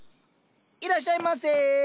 いらっしゃいませ。